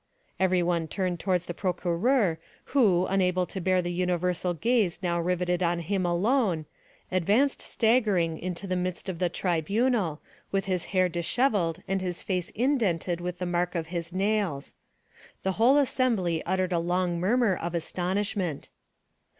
Everyone turned towards the procureur, who, unable to bear the universal gaze now riveted on him alone, advanced staggering into the midst of the tribunal, with his hair dishevelled and his face indented with the mark of his nails. The whole assembly uttered a long murmur of astonishment.